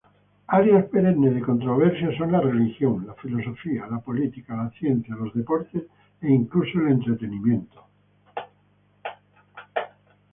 Áreas perennes de controversia son la religión, filosofía, política, ciencia, deportes e incluso entretenimiento.